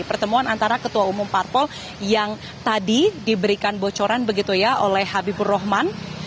pertemuan antara ketua umum partol yang tadi diberikan bocoran oleh habibur rohman